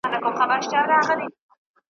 شپه مو نسته بې کوکاره چي رانه سې ,